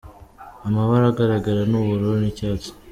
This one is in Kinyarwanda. Amabara agaragara ni ubururu n’icyatsi.